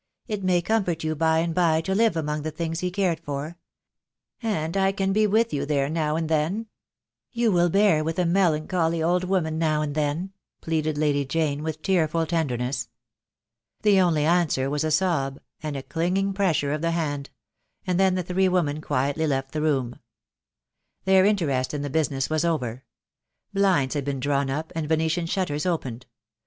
It may comfort you by and by to live among the things he cared for. And I can be with you there now and then. You will bear with a melancholy old woman now and then," pleaded Lady Jane, with tearful tenderness. The only answer was a sob, and a clinging pressure of the hand; and then the three women quietly left the room. Their interest in the business was over. Blinds had been drawn up and Venetian shutters opened.